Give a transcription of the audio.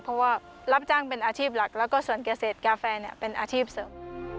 เพราะว่ารับจ้างเป็นอาชีพหลักแล้วก็ส่วนเกษตรกาแฟเป็นอาชีพเสริม